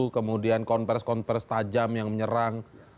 kemudian konvers konvers tajam yang menyerang